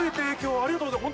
ありがとうございます。